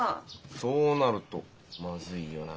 そうなるとまずいよな。